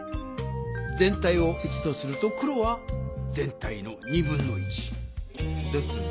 全体を１とすると黒は全体の1/2。ですね。